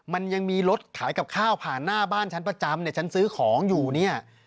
มันยังมีรถขายกับข้าวผ่านหน้าบ้านฉันประจำเนี่ยฉันซื้อของอยู่เนี่ย